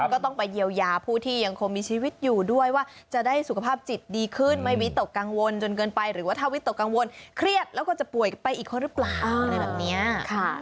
ก็ต้องไปเยียวยาผู้ที่ยังคงมีชีวิตอยู่ด้วยว่าจะได้สุขภาพจิตดีขึ้นไม่วิตกกังวลจนเกินไปหรือว่าถ้าวิตกกังวลเครียดแล้วก็จะป่วยไปอีกคนหรือเปล่าอะไรแบบนี้